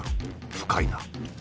深いな。